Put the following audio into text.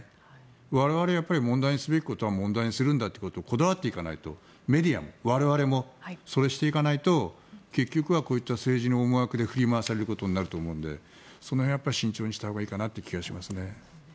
我々は問題にすべきことは問題にするんだとこだわっていかないとメディアも我々もそれをしていかないと結局はこういった政治の思惑に振り回されることになると思うのでその辺は慎重にしたほうがいい気がしますね。